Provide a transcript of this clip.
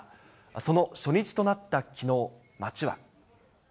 その初日となったきのう、街は。